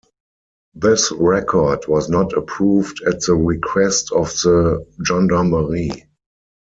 This record was not approved at the request of the Gendarmerie.